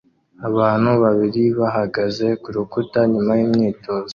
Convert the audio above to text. Abantu babiri bahagaze kurukuta nyuma yimyitozo